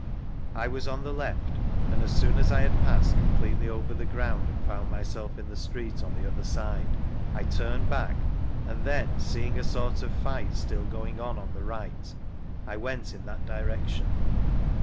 1 was on the left, and as soon as I bad passed comf4etely over the ground and found myself in the street on the other side, I turned back, and then, seeing a sort of iight still going on on the right, I went in that direction.